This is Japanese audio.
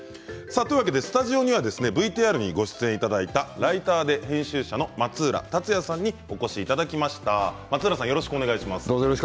スタジオにはＶＴＲにご出演いただいたライターで編集者の松浦達也さんにお越しいただきました。